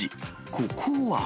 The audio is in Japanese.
ここは？